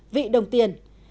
vị đồng tiền